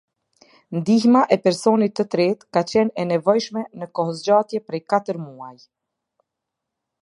Ndihma e personit të tretë ka qenë e nevojshme në kohëzgjatje prej katër muaj.